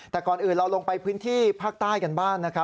แต่ก่อนอื่นเราลงไปพื้นที่ภาคใต้กันบ้างนะครับ